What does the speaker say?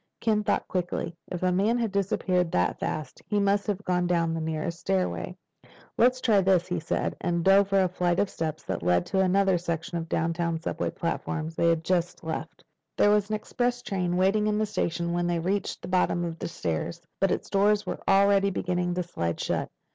Ken thought quickly. If the man had disappeared that fast, he must have gone down the nearest stairway. "Let's try this," he said, and dove for a flight of steps that led to another section of the downtown subway platform they had just left. There was an express train waiting in the station when they reached the bottom of the stairs, but its doors were already beginning to slide shut.